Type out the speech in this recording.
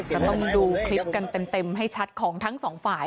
ก็ต้องดูคลิปกันเต็มให้ชัดของทั้งสองฝ่าย